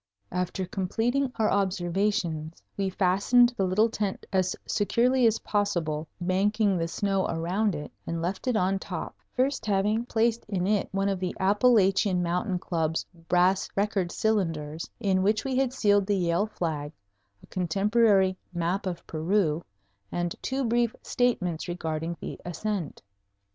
After completing our observations, we fastened the little tent as securely as possible, banking the snow around it, and left it on top, first having placed in it one of the Appalachian Mountain Club's brass record cylinders, in which we had sealed the Yale flag, a contemporary map of Peru, and two brief statements regarding the ascent.